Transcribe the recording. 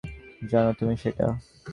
জানো তুমি সেটা?